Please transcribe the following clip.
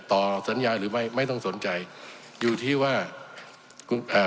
ต่อสัญญาหรือไม่ไม่ต้องสนใจอยู่ที่ว่าอ่า